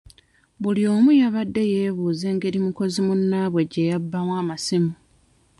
Buli omu yabadde yeebuuza engeri mukozi munnaabwe gye yabbamu amasimu.